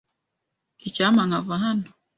Icyampa nkava hano.